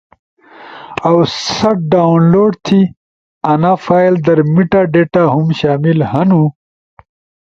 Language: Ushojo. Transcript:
اؤ سا ڈاونلوڈ تھی! انا فائل در میٹا ڈیٹا ہُم شامل ہنو